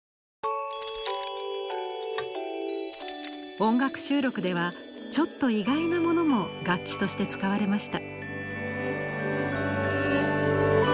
音楽収録ではちょっと意外なものも楽器として使われました。